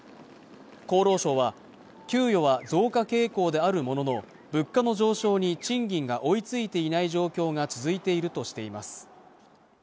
厚労省は給与は増加傾向であるものの物価の上昇に賃金が追いついていない状況が続いているとしています